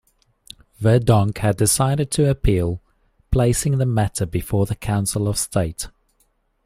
Verdonk had decided to appeal, placing the matter before the Council of State.